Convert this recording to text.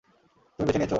তুমি বেছে নিয়েছো?